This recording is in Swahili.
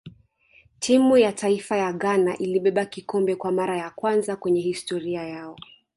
timu ya taifa ya ghana ilibeba kikombe kwa mara ya kwanza kwenye historia yao